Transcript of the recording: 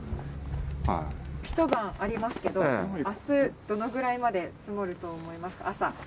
一晩ありますけど、あす、どのぐらいまで積もると思いますか？